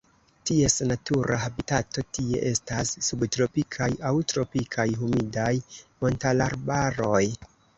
Ties natura habitato tie estas subtropikaj aŭ tropikaj humidaj montararbaroj.